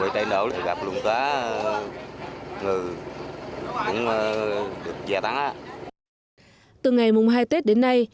từ ngày mùng hai tết đến nay